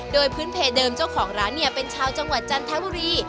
โดยพื้นเพเดิมเจ้าของร้านเนี่ยเป็นชาวจังหวัดจันทบุรี